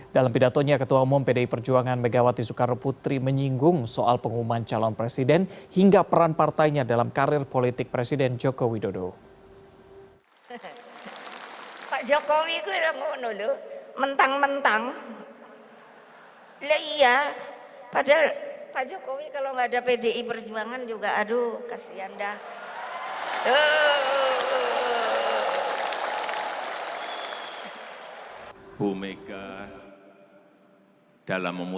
dalam pidatonya ketua umum pdi perjuangan megawati soekarno putri menyinggung soal pengumuman calon presiden hingga peran partainya dalam karir politik presiden jokowi dodo